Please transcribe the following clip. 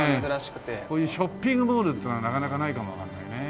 こういうショッピングモールっていうのはなかなかないかもわからないね。